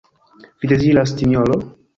Vi deziras, Sinjoro?